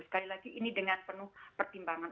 sekali lagi ini dengan penuh pertimbangan